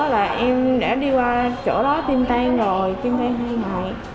là em đã đi qua chỗ đó tiêm tan rồi tiêm tan hai ngày